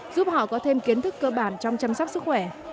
giúp họ có thêm kiến thức cơ bản trong chăm sóc sức khỏe